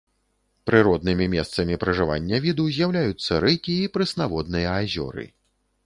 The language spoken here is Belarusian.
Прыроднымі месцам пражывання віду з'яўляюцца рэкі і прэснаводныя азёры.